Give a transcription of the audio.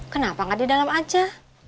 kenapa nggak di dalam aja